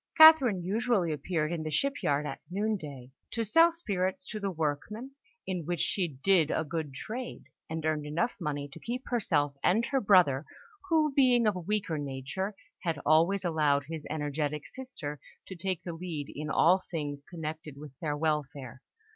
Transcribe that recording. Catherine usually appeared in the shipyard at noon day, to sell spirits to the workmen, in which she did a good trade, and earned enough money to keep herself and her brother, who, being of a weaker nature, had always allowed his energetic sister to take the lead in all things connected with their welfare.